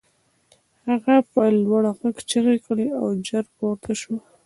هغه په لوړ غږ چیغې کړې او ژر پورته شو